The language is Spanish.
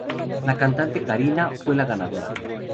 La cantante Karina fue la ganadora.